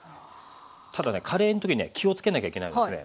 ただねカレーの時ね気をつけなきゃいけないのがですね